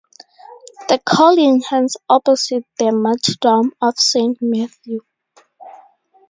The "Calling" hangs opposite "The Martyrdom of Saint Matthew".